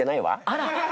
あら！